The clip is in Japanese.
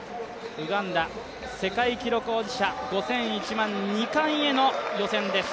ウガンダ、世界記録保持者、５０００、１００００、２冠への予選です。